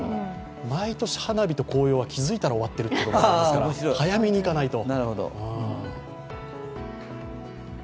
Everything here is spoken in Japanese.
毎年も花火と紅葉は気付いたら終わってますから、早めに行かないと。